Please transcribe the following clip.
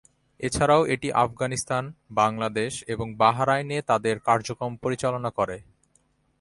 এছাড়াও এটি আফগানিস্তান, বাংলাদেশ এবং বাহরাইন-এ তাদের কার্যক্রম পরিচালনা করে।